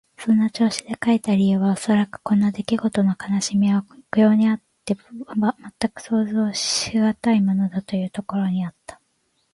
そんな調子で書いた理由はおそらく、こんなできごとの悲しみは異郷にあってはまったく想像しがたいものだ、というところにあったのであろう。